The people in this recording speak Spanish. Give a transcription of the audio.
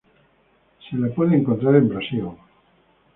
Se la puede encontrar en Brasil.